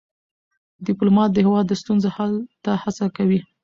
ډيپلومات د هیواد د ستونزو حل ته هڅه کوي.